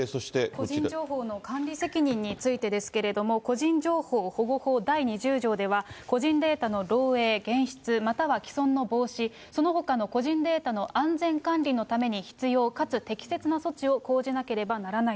個人情報の管理責任についてですけれども、個人情報保護法第２０条では、個人データの漏えい、減失、または棄損の防止、そのほかの個人データの安全管理のために必要かつ適切な措置を講